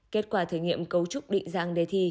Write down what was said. kết quả thử nghiệm cấu trúc định dạng đề thi